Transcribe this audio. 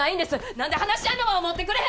何で話し合いの場を持ってくれへんのですか！